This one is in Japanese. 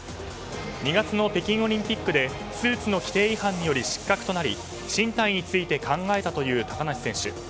２月の北京オリンピックでスーツの規定違反により失格となり進退について考えたという高梨選手。